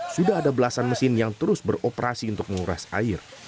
sudah ada belasan mesin yang terus beroperasi untuk menguras air